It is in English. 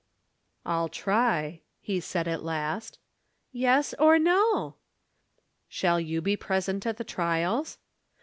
"I'll try," he said at last. "Yes or no?" "Shall you be present at the trials?"